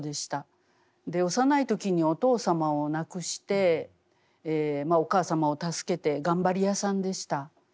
幼い時にお父様を亡くしてお母様を助けて頑張りやさんでした。